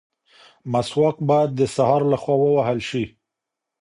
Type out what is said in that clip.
مسواک باید د سهار لخوا ووهل شي.